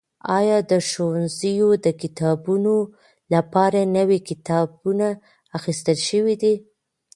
ایا د ښوونځیو د کتابتونونو لپاره نوي کتابونه اخیستل شوي دي؟